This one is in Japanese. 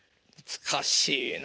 難しいね。